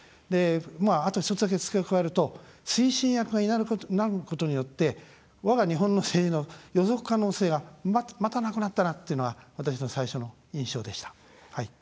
あと１つだけ付け加えると推進役がいなくなることによってわが日本の政治の、予測可能性がまたなくなったなというのが私の最初の印象でした。